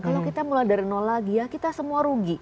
kalau kita mulai dari nol lagi ya kita semua rugi